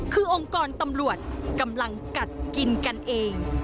คือองค์กรตำรวจกำลังกัดกินกันเอง